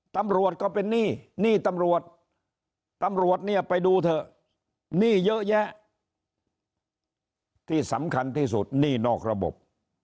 ตำรวจก็เป็นหนี้หนี้ตำรวจตำรวจตำรวจเนี่ยไปดูเถอะหนี้เยอะแยะที่สำคัญที่สุดหนี้นอกระบบ